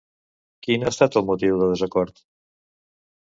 Quin ha estat el motiu de desacord?